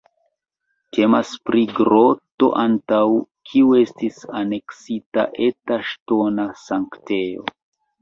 Temas pri groto antaŭ kiu estis aneksita eta ŝtona sanktejo.